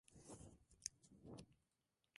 Siempre perseguidos por Camargo.